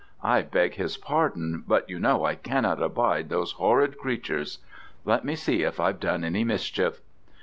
I beg his pardon, but you know I cannot abide those horrid creatures. Let me see if I've done any mischief."